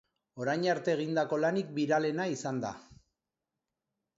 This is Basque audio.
Orain arte egindako lanik biralena izan da.